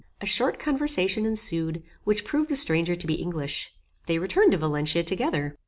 A short conversation ensued, which proved the stranger to be English. They returned to Valencia together.